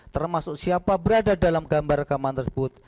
termasuk siapa berada dalam gambar rekaman tersebut